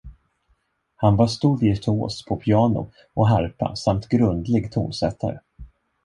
Han var stor virtuos på piano och harpa samt grundlig tonsättare.